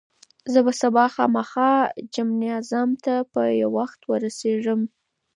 زه به سبا خامخا جمنازیوم ته په وخت ورسېږم.